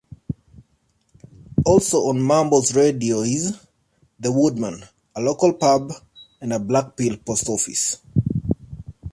Also on Mumbles road is 'The Woodman', a local pub, and Blackpill Post Office.